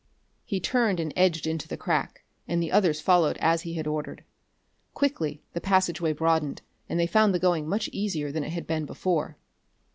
He turned and edged into the crack, and the others followed as he had ordered. Quickly the passageway broadened, and they found the going much easier than it had been before.